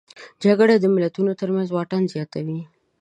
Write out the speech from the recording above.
جګړه د ملتونو ترمنځ واټن زیاتوي